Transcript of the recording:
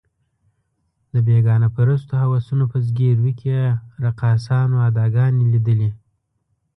د بېګانه پرستو هوسونو په ځګیروي کې یې رقاصانو اداګانې لیدلې.